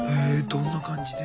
どんな感じで？